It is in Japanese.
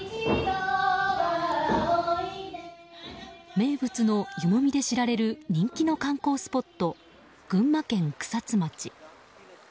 名物の湯もみで知られる人気の観光スポット群馬県草津町。